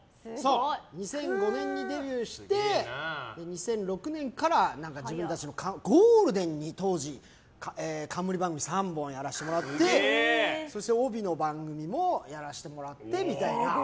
２００５年にデビューして２００６年から自分たちの、当時ゴールデンに冠番組３本やらせてもらってそして帯の番組もやらせてもらってみたいな。